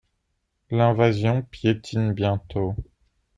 L'invasion piétine bientôt.